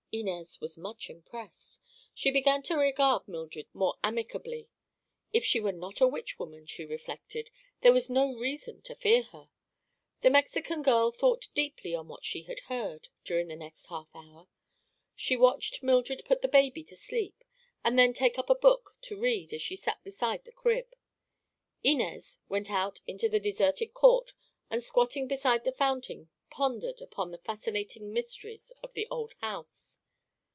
Inez was much impressed. She began to regard Mildred more amicably. If she were not a witch woman, she reflected, there was no reason to fear her. The Mexican girl thought deeply on what she had heard, during the next half hour. She watched Mildred put the baby to sleep and then take up a book to read as she sat beside the crib. Inez went out into the deserted court and squatting beside the fountain pondered upon the fascinating mysteries of the old house.